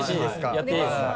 やっていいですか？